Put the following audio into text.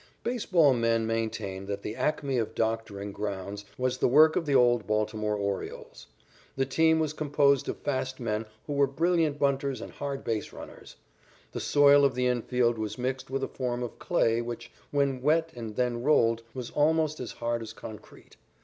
Baseball men maintain that the acme of doctoring grounds was the work of the old Baltimore Orioles. The team was composed of fast men who were brilliant bunters and hard base runners. The soil of the infield was mixed with a form of clay which, when wet and then rolled, was almost as hard as concrete.